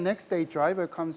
dan pada hari berikutnya